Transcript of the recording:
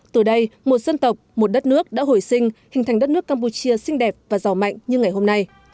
từ đây một dân tộc một đất nước đã hồi sinh hình thành đất nước campuchia xinh đẹp và giàu mạnh như ngày hôm nay